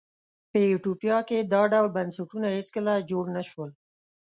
په ایتوپیا کې دا ډول بنسټونه هېڅکله جوړ نه شول.